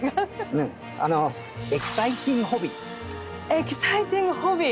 「エキサイティングホビー」！